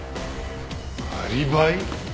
アリバイ？